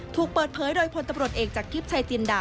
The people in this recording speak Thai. ถูกเปิดเผยโดยพลตำรวจเอกจากทิพย์ชัยจินดา